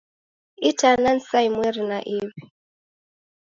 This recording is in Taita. Itana ni saa imweri na iw'i.